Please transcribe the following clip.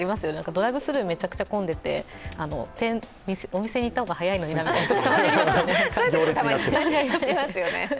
ドライブスルーめちゃくちゃ混んでて、お店に行った方が早いのになと。